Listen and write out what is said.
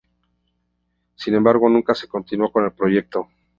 Sin embargo, nunca se continuó con el proyecto.